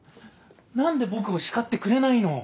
何で僕を叱ってくれないの？